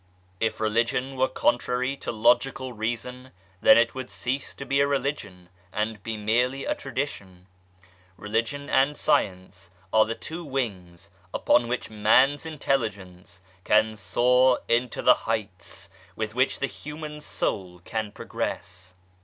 If Religion were contrary to logical Reason then it would cease to be a Religion and be merely a tradition. Religion and Science are the two wings upon which man's intelligence can soar into the heights, with which the human soul can progress.